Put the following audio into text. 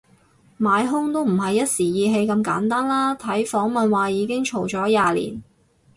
買兇都唔係一時意氣咁簡單啦，睇訪問話已經嘈咗廿年